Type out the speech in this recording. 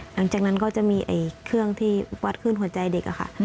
หลังจากนั้นก็จะมีเครื่องที่วัดขึ้นหัวใจเด็กค่ะ